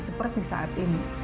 seperti saat ini